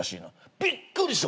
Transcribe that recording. びっくりした俺。